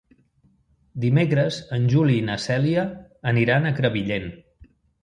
Dimecres en Juli i na Cèlia aniran a Crevillent.